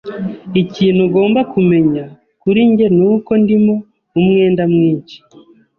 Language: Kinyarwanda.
Ikintu ugomba kumenya kuri njye nuko ndimo umwenda mwinshi.